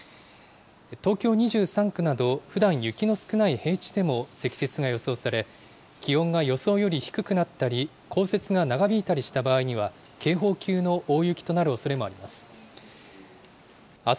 東京２３区など、ふだん雪の少ない平地でも積雪が予想され、気温が予想より低くなったり降雪が長引いたりした場合には、警報級の大雪となるおそれもあります。